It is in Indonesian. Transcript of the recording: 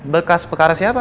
berkas perkara siapa